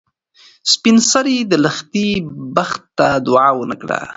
سپین سرې د لښتې بخت ته دعا ونه کړه.